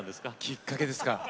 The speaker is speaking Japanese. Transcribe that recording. きっかけですか。